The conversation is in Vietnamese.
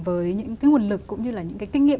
với những cái nguồn lực cũng như là những cái kinh nghiệm